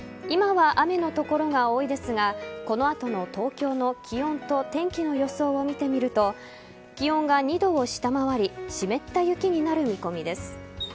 今は雨の所が多いですがこの後の東京の気温と天気の予想を見てみると気温が２度を下回り湿った雪になる見込みです。